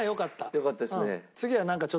よかったですね。